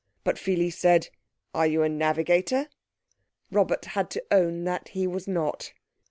But Pheles said, "Are you a navigator?" Robert had to own that he was not.